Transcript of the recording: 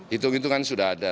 hitung hitungan sudah ada